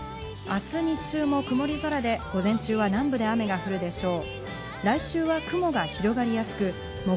明日日中も曇り空で午前中は南部で雨が降るでしょう。